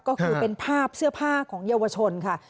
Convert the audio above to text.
ก็คือเป็นภาพเสื้อผ้าของเยาวชนค่ะ